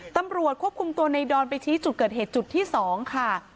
ตำรวจควบคุมตัวในดอนไปชี้จุดเกิดเหตุจุดที่๒ค่ะ